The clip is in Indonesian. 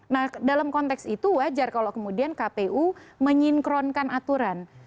nah dalam konteks itu wajar kalau kemudian kpu menyinkronkan aturan